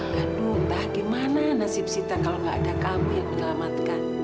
aduh entah gimana nasib sita kalau gak ada kamu yang menyelamatkan